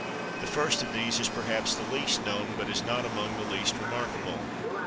The first of these is perhaps the least known, but is not among the least remarkable.